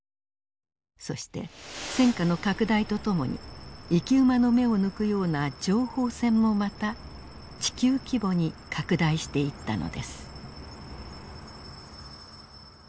そして戦火の拡大とともに生き馬の目を抜くような情報戦もまた地球規模に拡大していったのです。